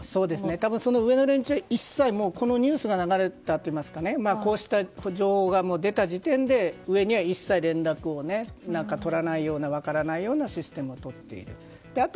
多分、その上の連中は一切このニュースが流れたといいますかこうした情報が出た時点で上には一切連絡をとらないような分からないようなシステムをとっていると。